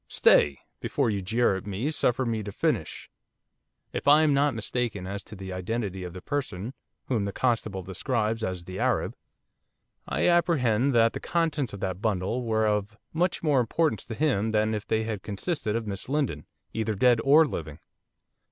Stay! before you jeer at me, suffer me to finish. If I am not mistaken as to the identity of the person whom the constable describes as the Arab, I apprehend that the contents of that bundle were of much more importance to him than if they had consisted of Miss Lindon, either dead or living.